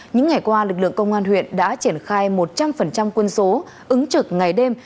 những ngày qua lực lượng công an huyện đã triển khai một trăm linh quân số ứng trực ngày đêm